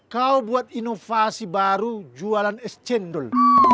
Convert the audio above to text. kau buat inovasi baru jualan es cendol